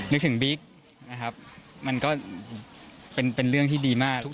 นึกถึงบิ๊กนะครับมันก็เป็นเรื่องที่ดีมาก